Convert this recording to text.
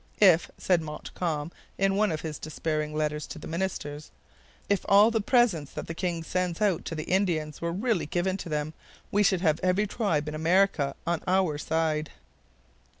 'If,' said Montcalm, in one of his despairing letters to the minister, 'if all the presents that the king sends out to the Indians were really given to them, we should have every tribe in America on our own side.'